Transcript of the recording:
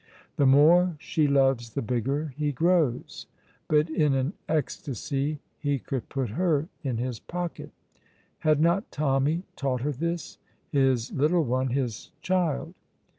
The more she loves the bigger he grows, but in an ecstasy he could put her in his pocket. Had not Tommy taught her this? His little one, his child!